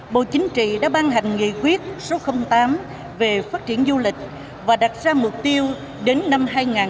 bộ chính trị đã ban hành nghị quyết số tám về phát triển du lịch và đặt ra mục tiêu đến năm hai nghìn ba mươi